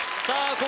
さあ